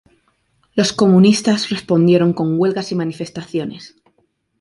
Los comunistas respondieron con huelgas y manifestaciones.